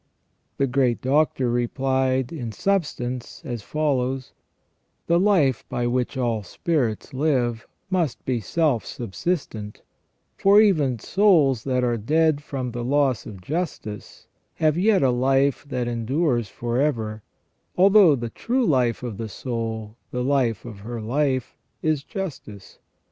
the great Doctor replied, in substance, as follows : The life by which all spirits live must be self subsistent ; for even souls that are dead from the loss of justice have yet a life that endures for ever, although the true life of the soul, the life of her life, is justice.